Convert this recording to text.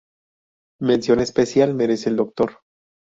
Mención especial merece el Dr.